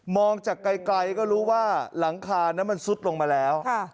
จากไกลก็รู้ว่าหลังคานั้นมันซุดลงมาแล้ว